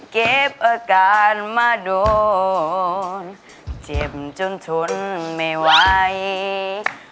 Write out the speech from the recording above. เก็บอาการมาโดนเจ็บจนทนไม่ไหว